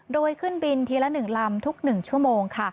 โดยขึ้นบินทีละ๑ลำทุก๑ชั่วโมงค่ะ